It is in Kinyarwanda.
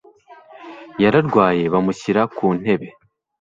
Yararwaye bamushyira ku ntebe.